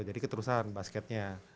jadi keterusan basketnya